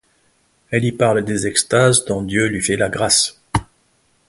Elle y parle des extases dont Dieu lui fait la grâce.